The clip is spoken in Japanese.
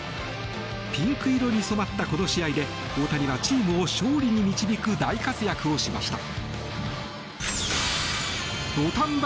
ピンク色に染まった、この試合で大谷はチームを勝利に導く大活躍をしました。